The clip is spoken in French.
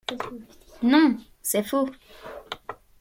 Non, c’est faux. ..